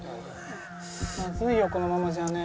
まずいよこのままじゃね。